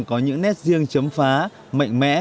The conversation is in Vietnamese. có những nét riêng chấm phá mạnh mẽ